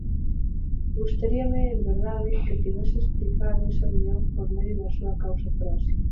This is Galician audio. Gustaríame, en verdade, que tivese explicado esa unión por medio da súa causa próxima.